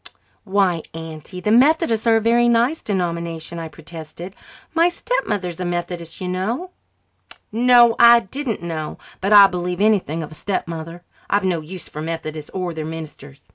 "Why, Auntie, the Methodists are a very nice denomination," I protested. "My stepmother is a Methodist, you know." "No, I didn't know, but I'd believe anything of a stepmother. I've no use for Methodists or their ministers.